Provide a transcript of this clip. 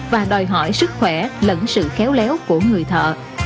và đòi hỏi sức khỏe lẫn sự khéo léo của người thợ